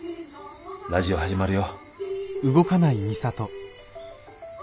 ラジオ始まるよ。